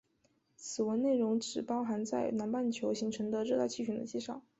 此文内容只包含在南半球形成的热带气旋的介绍。